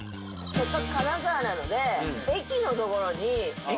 せっかく金沢なので。